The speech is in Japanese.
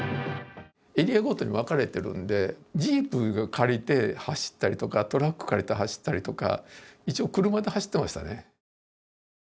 エリアごとに分かれているんでジープ借りて走ったりとかトラック借りて走ったりとか一応車で走ってましたね。